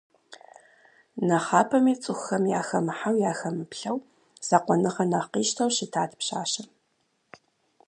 Нэхъапэми цӏыхухэм яхэмыхьэу, яхэмыплъэу, закъуэныгъэр нэхъ къищтэу щытат пщащэм.